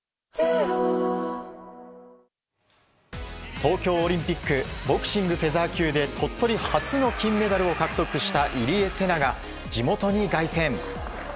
東京オリンピックボクシングフェザー級で鳥取初の金メダルを獲得した入江聖奈が地元に凱旋。